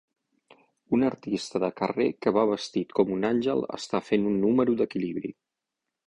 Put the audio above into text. Un artista de carrer que va vestit com un àngel està fent un número d'equilibri.